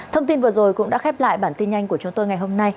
thông tin vừa rồi cũng đã khép lại bản tin nhanh của chúng tôi ngày hôm nay